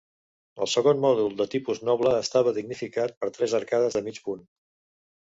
El segon mòdul, de tipus noble, estava dignificat per tres arcades de mig punt.